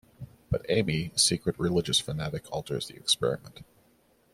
But Amy, a secret religious fanatic, alters the experiment.